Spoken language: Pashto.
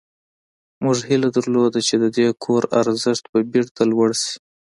موږ هیله درلوده چې د دې کور ارزښت به بیرته لوړ شي